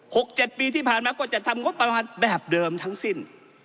หกเจ็ดปีที่ผ่านมาก็จะทำงบประมาณแบบเดิมทั้งสิ้น